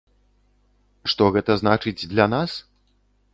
Што гэта значыць для нас?